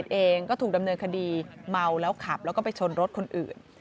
เบาแล้วขับแล้วก็ไปชนรถคนอื่น